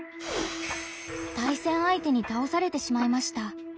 対戦相手に倒されてしまいました。